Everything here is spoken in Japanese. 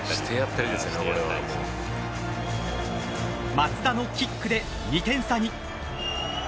松田のキックで２点差に。